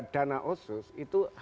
dana osus itu